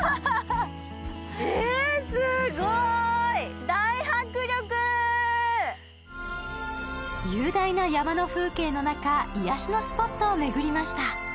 えっすごい雄大な山の風景の中癒やしのスポットを巡りました